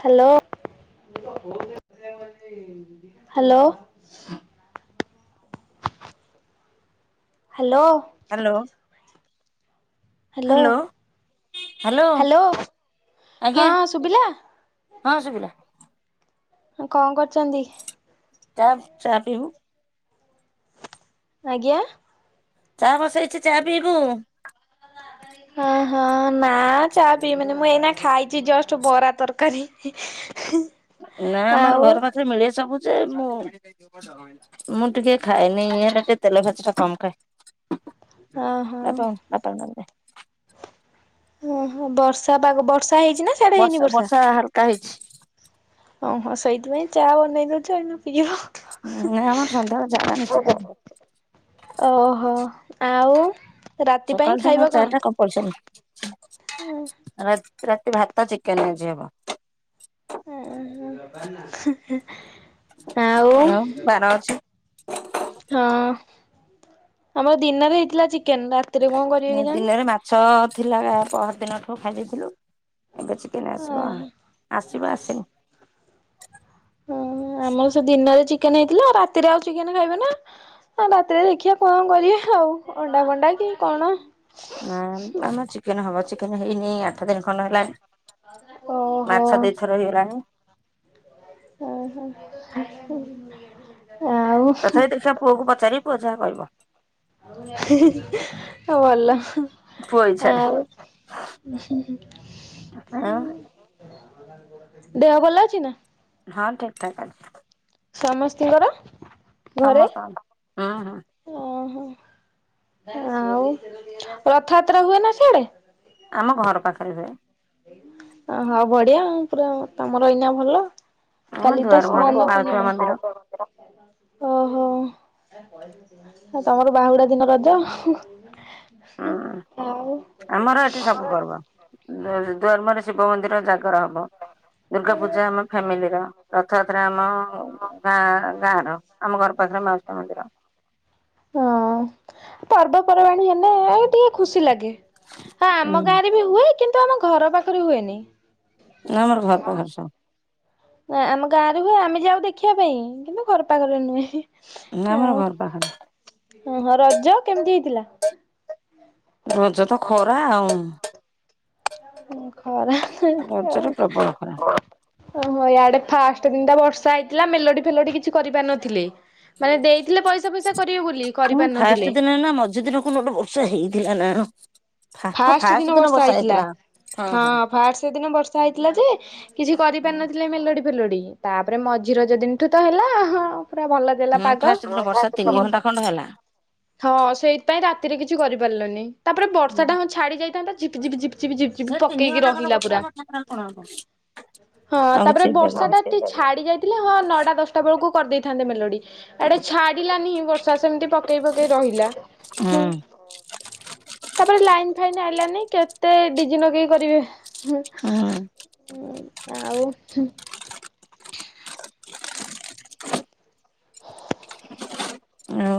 Hello. Hello hello. Hello hello hello hello hello ହଁ ଆଜ୍ଞା। ଶୁଭିଲା ହଁ ଶୁଭିଲା। କଣ କରୁଛନ୍ତି? ଚା ଚା ପିଇବୁ। ଆଜ୍ଞା। ଚା ବସେଇଛି ଚାହା ପିଇବୁ। ନାହଁ। ହୁଁ ହଁ ନା ଚା ପିଇବିନି ମୁଁ ଏଇନା ଖାଇଛି ଜଷ୍ଟ ବରା ତରକାରୀ। ନାଁ, ଆମର ଆଉ ଘର ପାଖରେ ମିଳେ ସବୁ ଯେ, ମୁଁ ମୁଁ ଟିକେ ଖାଏନି, ଇଟା ଟିକେ ତେଲ ଭାଜି ଟା କମଖାଏ ହଁ ହଁ। । ଏପଉଁ ଅପାକୁ ଡାକିଦେ [unintelligible] ଓହୋ, ବର୍ଷାପାଗ ବର୍ଷା ହେଇଛି ନା ସିଆଡେ ହେଇନି ବର୍ଷା ହେଇଛି । ଓଁ ହଁ ସେଇଥିପାଇଁ ଚା ବନେଇ ଦଉଛି ଏଇନା ପିଇବ। ଆମର ସନ୍ଧ୍ୟାରେ ଚାହା ଟା ନିଶ୍ଚିତ ଭାବରେ ଓ ହୋ ଆଉ ରାତି ପାଇଁ ସକାଳ ଖାଇବା ସନ୍ଧ୍ୟା କଣ? ଚାଟା କମ୍ପଲସରୀ । ରାତ ରାତି ଭାତ ଚିକେନ ଆଜି ହବ। ଉ ହୁଁ, ବାର ଅଛି ଆଉ ହଁ, ଆମର ଦିନରେ ହେଇଥିଲା ଚିକ ନା ଦିନରେ ମାଛ ଥିଲା ପହର ଦିନଠୁ ଖାଇ ଦେଇଥିଲୁ, ଏବେ ଚିକେନ ଆସିବ ଓହୋ। ଆଉ, ଆସିବ ଆସନି। ହଁ ଆମର ସେ ଦିନରେ ଚିକ କେନ ହେଇଥିଲ, ରାତିରେ ଆଉ ଚିକେନ ଖାଇବେ ନା, ରାତିରେ ଦେଖିବା କଣ କରିବା ଆଉ ଅଣ୍ଡା ଫଣ୍ଡା କି କି କଣ? ଆଉ ଆମର ଚିକେନ ହବ, ଚିକେନ ହେଇନି ଆଠ ଦିନ ଖଣ୍ଡେ ହେଲାଣି। ଓହୋ ମାଛ ଦି ଥର ହେଇଗଲାଣି। ଓ ହୋ ତଥାପି ଦେଖିବା ପୁଅକୁ ପଚାରିବି, ପୁଅ ଯାହା କହିବ। ହଉ ଭଲ। ପୁଅ ଇଚ୍ଛାରେ ଆଉ ଆଁ। ଦେହ ଭଲ ଅଛି ନା? ହଁ ଠିକ ଠାକ ଅଛି। ସମସ୍ତଙ୍କ ର? ସମସ୍ତଙ୍କର ହୁଁ ହୁଁ। ଓହୋ, ଆଉ ରଥଯାତ୍ରା ହୁଏ ନା ସେଆଡେ? ଆମ ଘର ପାଖରେ ହୁଏ। ଓହ ବଢିଆ, ପୁରା ତମର ଏଇନା ଭଲ। ଆମ କାଲି ତ ଦୁଆର ମୁହଁରେ ସ୍ନାନ ମାଉସୀମା ମନ୍ଦିର। ପୂର୍ଣ୍ଣିମା, ଓହୋ। ତମର ବାହୁଡା ଦିନ ରଜ। ହୁଁ ହୁଁ ଆଉ ଦର୍ମରେ ଶିବ ମନ୍ଦିର ଜାଗର ହବ। ଦୁର୍ଗା ପୂଜା ଆମ ଫ୍ୟାମିଲି ର, ରଥଯାତ୍ରା ଆମ ଗାଁ ଗାଁ ର, ଆମ ଘର ପାଖ ର ମାଉସୀମା ମନ୍ଦିର। ହଁ, ପର୍ବପର୍ବାଣି ହେଲେ ଆ ଟିକେ ଖୁସି ଲାଗେ। ହଁ ହୁଁ ଆମ ଗାଁରେ ବି ହୁଏ କିନ୍ତୁ ଆମ ଘର ପାଖରେ ହୁଏନି। ନା ଆମର ଘର ପାଖରେ ସବୁ। ନା ଆମ ଗାଁ ରେ ହୁଏ ଆମେ ଯାଉ ଦେଖିବା ପାଇଁ କିନ୍ତୁ ଘର ପାଖରେ ନୁହେଁ। ନା ଆମର ଘର ପାଖରେ। ହୁଁ, ରଜ କେମିତି ହେଇଥିଲା? ରଜ ତ ଖରା ଆଉ ଉଁ ଖରା ହୁଁ ରଜରେ ପ୍ରବଳ ଖରା ଇଆଡେ ଫାଷ୍ଟ ସେ ଦିନତ ବର୍ଷା ହେଇଥିଲା, ମେଲୋଡି ଫେଲୋଡି କିଛି କରିପାରିନଥିଲେ, ମାନେ ଦେଇଥିଲେ ପଇସା ଫଇସା କରିବେ ବୋଲି ହଁ ଫାଷ୍ଟ କରିପାରିନଥିଲେ। ଦିନ ନା ମଝି ଦିନ କଉ ଦିନ ଗୋଟେ ବର୍ଷା ହେଇଥିଲା ନା କଣ? ଫାଷ୍ଟ ଦିନ ବର୍ଷା ହେଇଥିଲା। ହଁ ଫାଷ୍ଟ ସେଦିନ ବର୍ଷା ହେଇଥିଲା ଯେ, କିଛି କରିପାରିନଥିଲେ ମେଲୋଡି ଫେଲୋଡି ତାପରେ ମଝି ରଜ ଦିନଠୁ ତ ହେଲା ହଁ ପୁରା ଭଲ ଦେଲା ହୁଁ ପାଗ ଫାଷ୍ଟ ଦିନ ବର୍ଷା ତିନି ଘଣ୍ଟା ଖଣ୍ଡ ହେଲା। ହଁ ସେଇଥିପାଇଁ ରାତିରେ କି କିଛି କରିପାରିଲୁନି ତାପରେ ବର୍ଷା ଟା ହଁ ଛାଡି ଯାଇଥାନ୍ତା ଝିପି ଝିପି ଝିପି ଝିପି ଝିପି ଝିପି ସେ ତିନି ପକେଇକି ଘଣ୍ଟା ଖଣ୍ଡେ ରହିଲା ବର୍ଷା ପୁରା। ହେଲା ଠାକୁରାଣୀ କଣ ହବ ହଁ ଆଉ କିଛି ତାପରେ ବର୍ଷା ହେଇପାରିବନି ଟା ଟିକେ ଛାଡି ଯାଇଥିଲେ ହଁ ନଅଟା ଦଶଟା ବେଳକୁ କରିଦେଇଥାନ୍ତେ ମେଲୋଡି। ଆଡେ ଛାଡିଲାନି ବର୍ଷା ସେମିତି ପକେଇ ପକେଇ ରହିଲା ହୁଁ। [inaudible] ଲାଇନ୍ ଫାଇନ୍ ଆଇଲାନି କେତେ ଡିଜି ନଗେଇ କରିବେ ହୁଁ ହୁଁ ଉଁ। ଆଉ ହୁଁ । ଆଉ।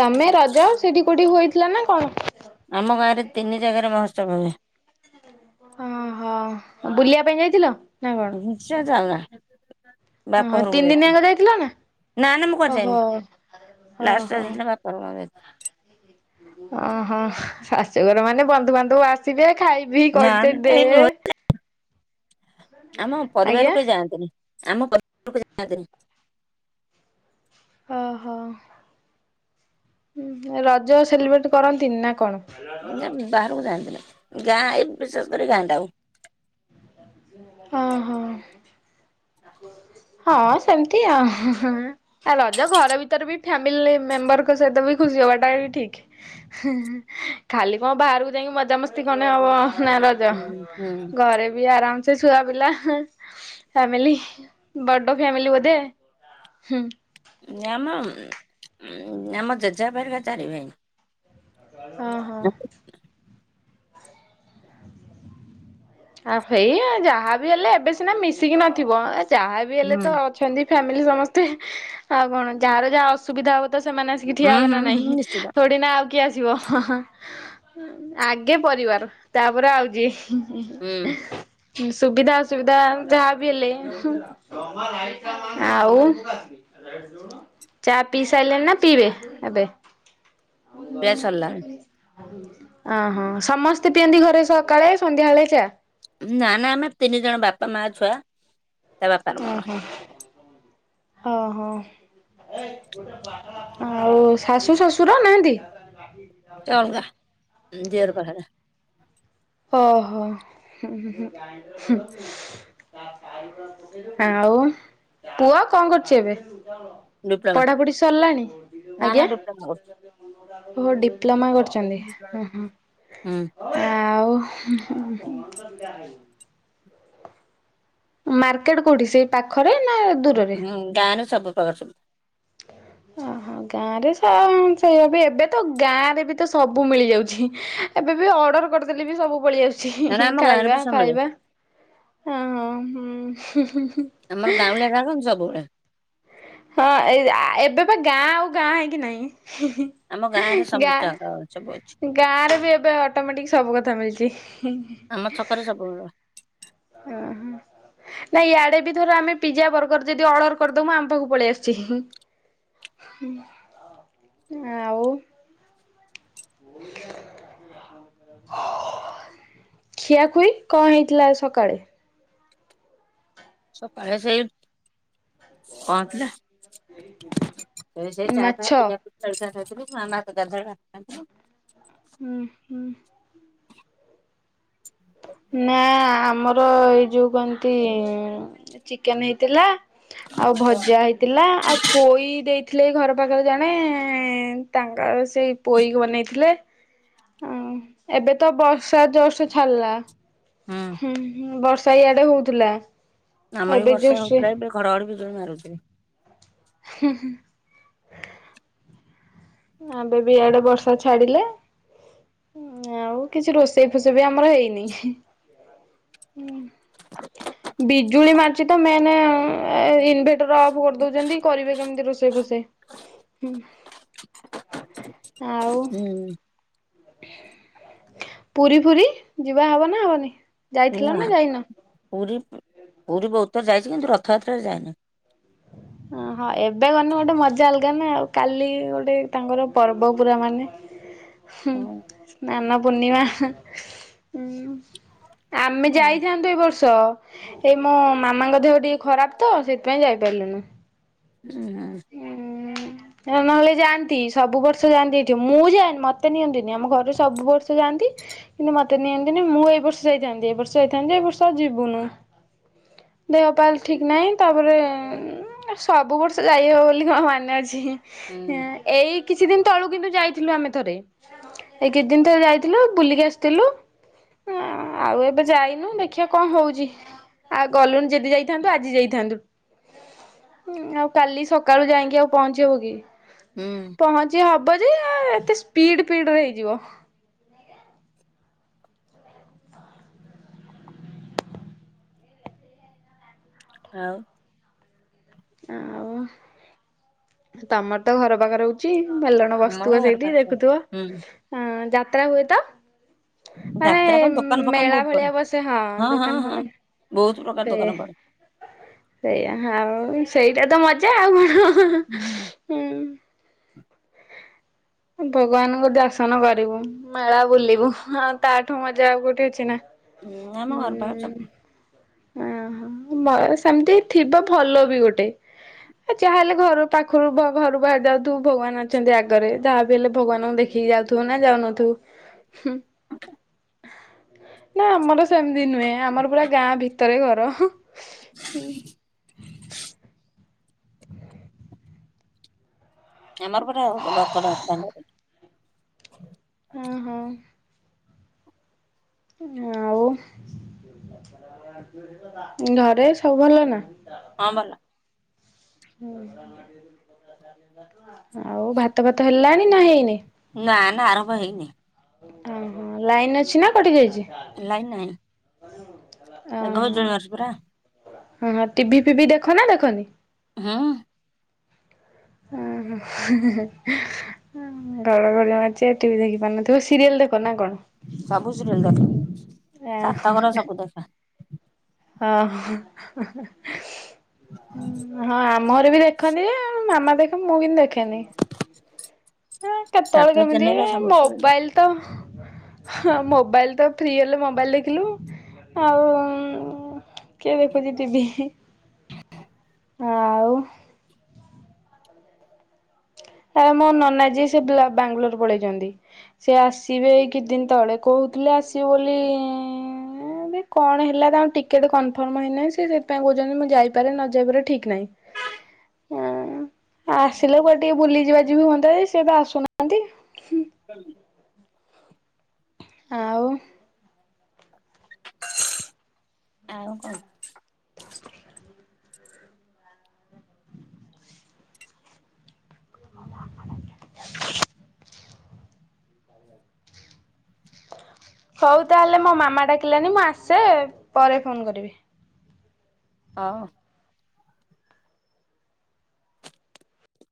ତମେ ରଜ ସେଠି କୋଉଠି ହୋଇଥିଲା ନା କଣ? ଆମ ଗାଁରେ ତିନି [unintelligible] ଓ ହୋ ବୁଲିବା ପାଇଁ ଯାଇଥିଲ? ନା କଣ? ଉଞ୍ଚ ଯାଗା। ବାପ ଓହୋ ଘରକୁ ତିନି ଯଛି ଦିନିଆଙ୍କ ଯାଇଥିଲ ନା ନା ନା ମୁଁ କୁଆଡ଼େ ଓହୋ ଯାଇନି। ଲାଷ୍ଟ ଓହୋ। ରଜ ଦିନ ଆମେ ବାପ ଘରକୁ ଯାଇଥିଲୁ। ଓହୋ ଶାଶୁଘର ମାନେ ବନ୍ଧୁବାନ୍ଧବ ଆସିବେ। ଖାଇ ପିଇ ନା କରିତେ ନା ଦେ କେହି ନୁହ ଆମ ଆଜ୍ଞା ପରିବାର କେହି ଯାଆନ୍ତିନି। ଆମ ପରକୁ ଯାଆନ୍ତି ନି। ଓହୋ। ହଁ ରଜ ସେଲିବ୍ରେଟ କରନ୍ତିନି ନା କଣ? ମୁଁ ବାହାରକୁ ଯାଆନ୍ତିଥିଲି ଗାଁ ଏ ବିଶେଷ କରି ଗାଁ ଟା ଆଉ। ଓ ହୋ ହଁ ସେମିତି ଆଉ ରଜ ଘର ଭିତରେ ବି ଫ୍ୟାମିଲି ମେମ୍ବରଙ୍କ ସହିତ ବି ଖୁସି ହବାଟା ବି ଠିକ। ଖାଲି କଣ ବାହାରକୁ ଯାଇକି ମଜାମସ୍ତି କନେ ହବ? ନା ରଜ ହୁଁ ଘରେ ବି ଆରାମ ସେ ଛୁଆ ପିଲା ଫ୍ୟାମିଲି ବଡ ଫ୍ୟାମିଲି ବୋଧେ ହୁଁ। ଆମ ଆମ ଜେଜେ ବାପା ହେରିକା ଚାରି ଭାଇ। ଓହୋ। ଆ ଆଉ ହେଇ ଯାହା ବି ହେଲେ ଏବେ ସିନା ମିଶିକି ନଥିବ ଯାହା ବିି ହେଲେ ହୁଁ ତ ଅଛନ୍ତି। ଫାମିଲି ସମସ୍ତେ ଆଉ କଣ ଯାହାର ଯାହା ଅସୁବିଧା ହବ। ତ ସେମାନେ ଆସିକି ହୁଁ ଠିଆ ହେବେ ହୁଁ ନା ହୁଁ ନାହିଁ ନିଶ୍ଚିତ ଥୋଡି ନା କିଏ ଆସିବ ଆଗେ ପରିବାର ତାପରେ ଆଉ ଯିଏ ହୁଁ। ସୁବିଧା ଅସୁବିଧା ଯାହା ବି ହେଲେ ଆଉ ଚା ପିଇ ସାରିଲେଣି ନା ପିଇବେ ଏବେ? ହଉ। ପିଆ ସରିଲାଣି ଅହୋ ସମସ୍ତେ ପିଅନ୍ତି ଘରେ ସକାଳେ ସନ୍ଧ୍ୟାବେଳେ ଚା। ନା ନା ଆମେ ତିନି ଜଣ ବାପା, ମା, ଛୁଆ। ତା ବାପାର ମୋର ଓହୋ ଓ ହୋ। ଆଉ ଶାଶୁ ଶଶୁର ନାହାନ୍ତି? ସେ ଅଲଗା ଉଁ ଦିଅର ପାଖରେ। ଓ ହୋ। ହୁଁ ହୁଁ ହୁଁ ଆଉ। ପୁଅ କଣ କରୁଚି ଏବେ? ଡିପ୍ଲୋମା ପଢାପଢି ସରିଲାଣି? ନା ନା ଆଜ୍ଞା। ଡିପ୍ଲୋମା କରୁଛି। ଓହୋ ଡିପ୍ଲୋମା କରୁଚନ୍ତି ଉଁ ହୁଁ ହୁଁ ଆଉ ‌ ହୁଁ ଉଁ। ମାର୍କେଟ କଉଠି ସେଇ ପାଖ ହୁଁ ଗାଁ ସବୁ ଫଳ ସବୁ ଓହୋ ଗାଁରେ ସେ ଆଉ ସେଇଆ ବି ଏବେ ତ ଗାଁରେ ବି ତ ସବୁ ମିଳିଯାଉଚି। ଏବେ ବି ଅର୍ଡ଼ର କରିଦେଲେ ବି ସବୁ ପଳିଆସ୍ କାରଣ ଚି ଆମ ଗାଁରେ ଖାଇବା ବି ସବୁ ମିଳେ ଫାଇବା ହଁ ହଁ ହୁଁ। ଆମର ଗାାଉଁଲିଆ ଗାଁ କଁ ସବୁଉଡ଼ା? ହଁ ଏଇ ଆ ଏବେ ପା ଗାଁ ଆଉ ଗାଁ ହେଇକି ଆମ ଗାଁରେ ନାହିଁ। ସବୁ ଜାଗା ସବୁ ଅଛି ଗାଁ ଗାଁରେ ବି ଏବେ ଅଟୋମେଟିକ୍ ସବୁ କଥା ମିଳିଚି। ଆମ ଛକରେ ସବୁ ମିଳିବ ଓହ। ନାଇଁ ୟାଡ଼େ ବି ଧର ଆମେ ପିଜ୍ଜା ବର୍ଗର ଯଦି ଅର୍ଡର କରିଦମୁ ଆମ ପାଖୁକୁ ପଳିଆସୁଚି। ଆଉ ବ ଖିଆଖୁଇ କଁ ହେଇଥିଲା ଆ ସକାଳେ? ସକାଳେ ସେଇ କଁ ଥିଲା ସେ ସେଇ ଚା ମାଛ ଫା ପିଠାପି ଜଳଖିଆ ଖାଇଥିଲୁ ମା ମା ତ ଗାଧୁଆଳେ ଭାତ ଖାଇଥିଲୁ। ହୁଁ ହୁଁ। ନାଁ ଆମର ଏଇ ଯୋଉ କନ୍ତି ଚିକେନ୍ ହେଇଥିଲା ଆଉ ଭଜା ହେଇଥିଲା ଆଉ ପୋଇ ଦେଇଥିଲେ ଏଇ ଘର ପାଖରେ ଜଣେ। ଏଁ ତାଙ୍କର ସେଇ ପୋଇକୁ ବନେଇଥିଲେ। ହଁ ଏବେ ତ ବର୍ଷା ଜୋରସେ ଛାଡ଼ିଲା ହୁଁ ହୁଁ ବର୍ ଷା ଇଆଡ଼େ ହୋଉଥୁଲା। ଆମର ବି ବର୍ଷା ହୋଉଥୁଲା ଏବେ ଘଡ଼ଘଡ଼ି ବିଜଳି ମାରୁଚି। ହୁଁ ହୁଁ। ଏବେ ବି ଇଆଡ଼େ ବର୍ଷା ଛାଡ଼ିଲା। ଆଉ କିଛି ରୋଷେଇ ଫୋଷେଇ ବି ଆମର ହେଇନି। ଉଁ ବିଜୁଳି ମରୁଚି ତ ମେନ୍ ଏ ଇନ୍ ଭେଟର ଅଫ୍ କରିଦୋଉଚନ୍ତି କରିବେ କେମିତି ରୋଷେଇ ଫୋଷେଇ ହୁଁ। ହୁଁ। ପୁରୀ ଫୁରି ଯିବା ହବ ନାଁ ହବନେଇ? ନା ଯାଇଥିଲ ନାଁ ଯାଇନ? ପୁରୀ ପୁରୀ ବୋହୁତ୍ ଥର ଯାଇଚି କିନ୍ତୁ ରଥଯାତ୍ରାରେ ଯାଇନେଇ। ଅ ହଁ ଏବେ ଗନେ ଗୋଟେ ମଜା ଅଲଗା ନାଁ ଆଉ କାଲି ଗୋଟେ ତାଙ୍କର ପର୍ବ ପୁରା ମାନେ ହୁଁ ସ୍ନାନ ପୂର୍ଣ୍ଣିମା ଉଁ ଆମେ ଯାଇଥାନ୍ତୁ ଏଇ ବର୍ ଷ ଏଇ ମୋ ମାମାଙ୍କ ଦେହ ଟିକେ ଖରାପ ତ ସେଇଥିପାଇଁ ଯାଇପାଇଲୁନୁ। ଉଁ ହୁଁ। ହୁଁ। ଏଉ ନହେଲେ ଯାଆନ୍ତି ସବୁ ବର୍ଷ ଯାଆନ୍ତି ଏଇଠି ମୁଁ ଯାଏନି ମତେ ନିଅନ୍ତିନି ଆମ ଘରେ ସବୁ ବର୍ଷ ଯାଆନ୍ତି। କିନ୍ତୁ ମତେ ନିଅନ୍ତିନି ମୁଁ ଏଇ ବର୍ଷ ଯାଇଥାନ୍ତି ଏ ବର୍ଷ ଯାଇଥାନ୍ତି ଏ ବର୍ଷ ଆଉ ଯିବୁନୁ। ଦେହପା ଠିକ୍ ନାହିଁ ତାପରେ ଉଁ ସବୁ ବର୍ଷ ତ ଯାଇହବ ବୋଲି କଁ ମାନେ ଅଛି ହଁ ଏଇ କିଛି ଦିନ ତଳୁ କିନ୍ତୁ ଯାଇଥିଲୁ ଆମେ ଥରେ। ଏଇ କିଛି ଦିନ ଥରେ ଯାଇଥିଲୁ ବୁଲିକି ଆସିଥିଲୁ। ଆ ଆଉ ଏବେ ଯାଇନୁ ଦେଖିଆ କଁ ହଉଚି? ଆଉ ଗଲୁନି ଯେଦି ଯାଇଥାନ୍ତୁ ଆଜି ଯାଇଥାନ୍ତୁ ଆଉ କାଲି ସକାଳୁ ଯାଇଁକି ଆଉ ପହଞ୍ଚି ହବ କି? ପହଞ୍ଚି ହବ ଯେ ଏତେ ସ୍ପିଡ଼୍ ପିଡ଼ରେ ହେଇଯିବ। ଆଉ ଆଉ ତମର ତ ଘର ପାଖରେ ହଉଚି। ମେଲଣ ଆମର ବସଥୁବ ଘର ସେଇଠି ପାଖ ଦେଖୁଥୁବ। ହୁଁ ଆଁ ଯାତ୍ରା ହୁଏ ତ? ମାନେ ଯାତ୍ରା କଣ ଦୋକାନ ଫୋକାନ ମେଳା ବହୁତ ପଡେ ଭଳିଆ ବସେ ହଁ ହଁ ଦୋକାନ ହଁ। ଫୋକାନ ବହୁତ ପ୍ରକାର ସେଇା ଦୋକାନ ପଡେ। ସେଇଆ ଆଉ ସେଇଟା ତ ମଜା ଆଉ କ ହୁଁ। ଭଗବାନଙ୍କୁ ଦର୍ଶନ କରିବୁ ମେଳା ବୁଲିବୁ, ଆଉ ତାଠୁ ମଜା ଆଉ କୋଉଠି ଅଛି ନା? ହୁଁ ଆମ ଘର ପାଖରେ ସବୁ ଓ ହୋ ନାଇଁ ସେମିତି ଥିବା ଭଲ ବି ଗୋଟେ। ଆ ଯାହାହେଲେ ଘର ପାଖରୁ ଘରୁ ବାହାରି ଯାଉଥିବୁ, ଭଗବାନ ଅଛନ୍ତି ଆଗରେ ଯାହା ହେଲେ ଭଗବାନଙ୍କୁ ଦେଖିକି ଯାଉଥିବ ନା ଯାଉନଥିବ? ନା ଆମର ସେମିତି ନୁହେଁ, ଆମର ପୁରା ଗାଁ ଭିତରେ ଘର। ହୁଁ। ଆମର ପ [unintelligible] ହଁ - ହଁ। ଆଉ ଘରେ ସବୁ ଭଲ ନା? ହଁ ଭଲ। ଆଉ ଭାତ ଫାତ ହେଲାଣି ନା ହେଇନି? ନା ନା ଆରମ୍ଭ ହେଇନି। ଓ ହଁ ଲାଇନ ଅଛି ନା କଟି ଯାଇଛି? ଲାଇନ ନାହିଁ। ଆରୁ ମେଘ ହଉଚି ଜୋରସେ ପୁରା। ଓଁ ଟିଭି ଫିଭି ଦେଖ ନା ଦେଖନି? ହୁଁ। ଓ ହଁ। ଘଡ ଘଡ଼ି ମାରୁଛି ଟିଭି ଦେଖି ପାରୁନଥିବେ, ସିରିଏଲ ଦେଖ ନା କଣ? ସବୁ ସିରିଏଲ୍ ଦେଖେ ସାତ ଘର ସବୁ ଦେଖେ। ହଁ- ହଁ - ହଁ। ମୋର ବି ଦେଖନ୍ତି ମାମା ଦେଖେ ମୁଁ କିନ୍ତୁ ଦେଖେନି। ହଁ କେତେବେଳେ ସାର୍ଥକ କେମିତି ଚ୍ୟାନେଲର ସବୁ ସିରିଏଲ ମୋବାଇଲ ତ ହ ମୋବାଇଲ ତ ଫ୍ରି ହେଲେ ମୋବାଇଲ ଦେଖିଲୁ। ଆଉ କିଏ ଦେଖୁଚି ଟିଭି। ଆଉ। ଆରେ ମୋ ନନାଜୀ ସେ [unintelligible] ବାଙ୍ଗାଲୋର ପଳେଇଛନ୍ତି। ସେ ଆସିବେ ଏଇ କିଛି ଦିନ ତଳେ କହୁ ହୁଥିଲେ ଆସିବେ ବୋଲି ଇଁ କେଜାଣି କଣ ହେଲା ତାଙ୍କ ଟିକେଟ କନଫର୍ମ ହେଇନାହିଁ, ସେ ସେଥିପାଇଁ କହୁଛନ୍ତି ମୁଁ ଯାଇପାରେ ନ ଯାଇପାରେ ଠିକ ନାହିଁ। ହଁ ଆସିଲେ କୁଆଡେ ଟିକେ ବୁଲିଯିବା ଯିବି ହୁଅନ୍ତା, ସିଏ ତ ଆସୁନାହାନ୍ତି। ଆଉ। ଆଉ କଣ? ହ ହଉ ତାହେଲେ ମୋ ମାମା ଡାକିଲାନି ମୁଁ ଆସେ ପରେ ଫୋନ କରିବି। ହଉ।